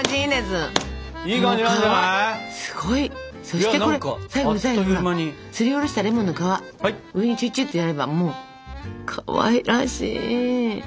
そしてこれ最後の最後にさすりおろしたレモンの皮上にちゅちゅっとやればもうかわいらしい！